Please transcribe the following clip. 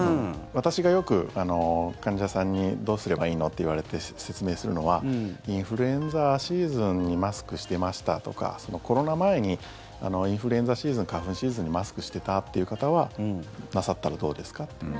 私がよく患者さんにどうすればいいのって言われて説明するのはインフルエンザシーズンにマスクしてましたとかコロナ前にインフルエンザシーズン花粉シーズンにマスクしてたっていう方はなさったらどうですかって。